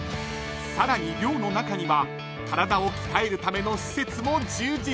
［さらに寮の中には体を鍛えるための施設も充実］